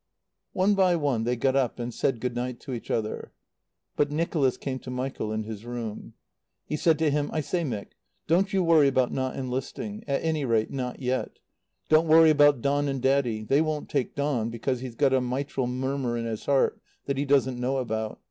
One by one they got up and said "Good night" to each other. But Nicholas came to Michael in his room. He said to him: "I say, Mick, don't you worry about not enlisting. At any rate, not yet. Don't worry about Don and Daddy. They won't take Don because he's got a mitral murmur in his heart that he doesn't know about.